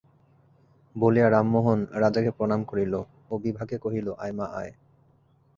বলিয়া রামমোহন রাজাকে প্রণাম করিল ও বিভাকে কহিল, আয় মা, আয়।